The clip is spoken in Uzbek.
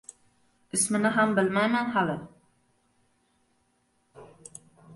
Ismini ham bilmayman hali.